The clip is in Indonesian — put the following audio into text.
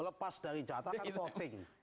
lepas dari jatah kan voting